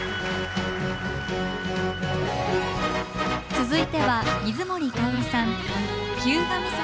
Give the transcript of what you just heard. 続いては水森かおりさん「日向岬」。